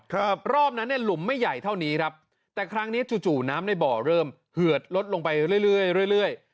ครับรอบนั้นเนี่ยหลุมไม่ใหญ่เท่านี้ครับแต่ครั้งนี้จู่จู่น้ำในบ่อเริ่มเหือดลดลงไปเรื่อยเรื่อยเรื่อย